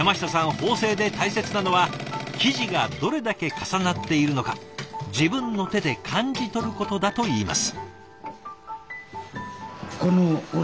縫製で大切なのは生地がどれだけ重なっているのか自分の手で感じ取ることだと言います。